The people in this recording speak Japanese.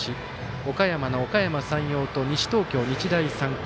岡山のおかやま山陽と西東京、日大三高。